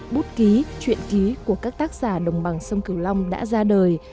bút ký chuyện ký của các tác giả đồng bằng sông cửu long đã ra đời